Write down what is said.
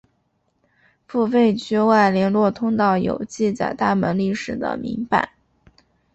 付费区外联络通道有记载大门历史的铭版。